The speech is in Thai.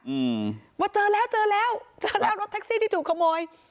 อืมว่าเจอแล้วเจอแล้วเจอแล้วรถแท็กซี่ที่ถูกขโมย